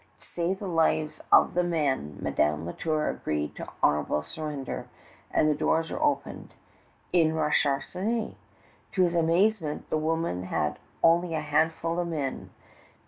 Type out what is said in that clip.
To save the lives of the men Madame La Tour agreed to honorable surrender, and the doors were opened. In rushed Charnisay! To his amazement the woman had only a handful of men.